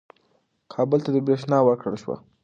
کابل ته برېښنا ورکړل شوه.